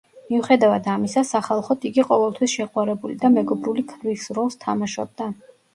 მიუხედავად ამისა, სახალხოდ იგი ყოველთვის შეყვარებული და მეგობრული ქმრის როლს თამაშობდა.